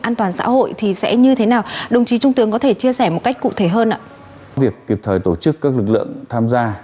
an toàn xã hội thì sẽ như thế nào đồng chí trung tướng có thể chia sẻ một cách cụ thể hơn ạ